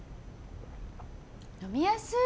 呑みやすい！